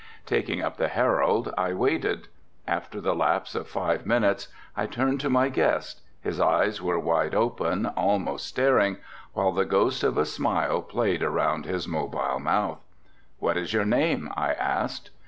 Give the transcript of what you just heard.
Taking up the Herald I waited. After the lapse of five minutes I turned to my guest, his eyes were wide open, almost staring, while the ghost of a smile played around his mobile mouth. "What is your name," I asked.